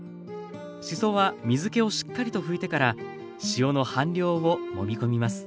しそは水けをしっかりと拭いてから塩の半量をもみ込みます。